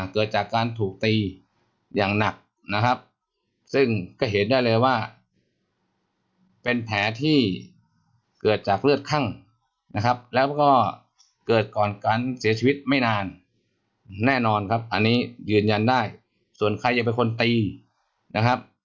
เกิดจากการถูกตีอย่างหนักนะครับซึ่งก็เห็นได้เลยว่าเป็นแผลที่เกิดจากเลือดคั่งนะครับแล้วก็เกิดก่อนการเสียชีวิตไม่นานแน่นอนครับอันนี้ยืนยันได้ส่วนใครจะเป็นคนตีนะครับ